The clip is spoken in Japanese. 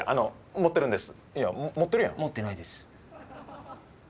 持ってるんです。